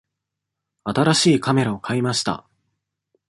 新しいカメラを買いました。